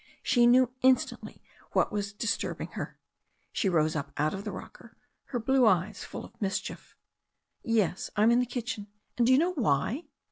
She knew instantly what was disturbing her. She rose up out of the rocker, her blue eyes full of mischief. "YI|B, I'm in the kitchen, and do you know why?"